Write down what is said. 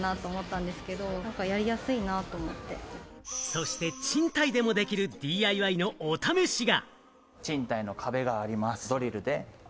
そして賃貸でもできるＤＩＹのお試しが。